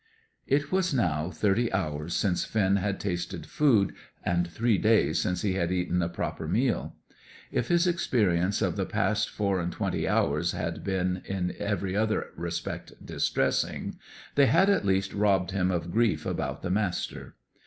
It was now thirty hours since Finn had tasted food, and three days since he had eaten a proper meal. If his experiences of the past four and twenty hours had been in every other respect distressing, they had at least robbed him of grief about the Master.